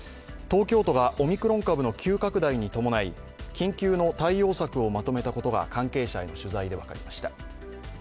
東京都がオミクロン株の急拡大に伴い緊急の対応策をまとめたことが関係者への取材で分かりました。